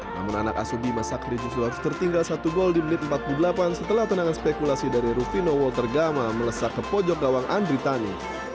namun anak asubi mas sakritus lohas tertinggal satu gol di menit empat puluh delapan setelah tenangan spekulasi dari rufino walter gama melesak ke pojok gawang andritani